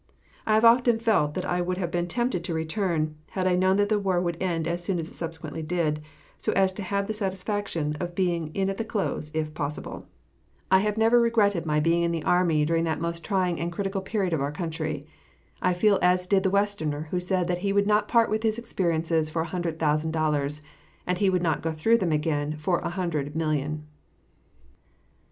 I have often felt that I would have been tempted to return had I known that the war would end as soon as it subsequently did, so as to have had the satisfaction of being in at the close, if possible. I have never regretted my being in the army during that most trying and critical period of our country. I feel as did the Westerner who said that he would not part with his experiences for a hundred thousand dollars, and he would not go through with it again for a hundred million.